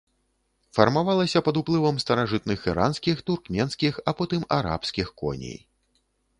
Фармавалася пад уплывам старажытных іранскіх, туркменскіх, а потым арабскіх коней.